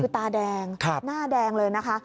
คือตาแดงหน้าแดงเลยนะคะ